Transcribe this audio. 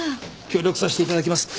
協力させていただきます。